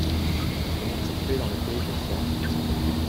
Commune située dans le Pays de Serres.